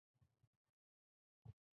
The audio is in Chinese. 两层之间可通过电梯或扶梯前往。